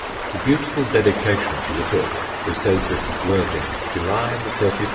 The beautiful dedication to the book is dated "Worthing, July 31, 1901."